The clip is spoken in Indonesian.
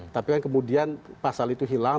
tapi kan kemudian pasal itu hilang